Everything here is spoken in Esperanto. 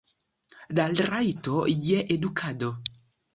La rajto je edukado.